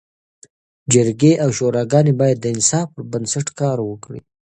جرګي او شوراګاني باید د انصاف پر بنسټ کار وکړي.